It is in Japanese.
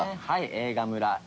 はい映画村。